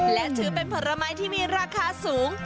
และถือเป็นผลไม้ที่มีราคาสูง